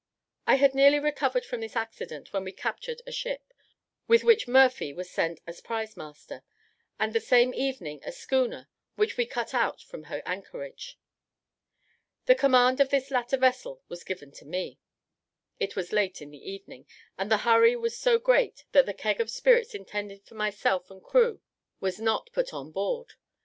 I had nearly recovered from this accident, when we captured a ship, with which Murphy was sent as prize master; and the same evening a schooner, which we cut out from her anchorage. The command of this latter vessel was given to me it was late in the evening, and the hurry was so great that the keg of spirits intended for myself and crew was not put on board.